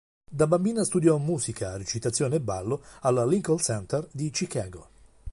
Da bambina studiò musica, recitazione e ballo al Lincoln Center di Chicago.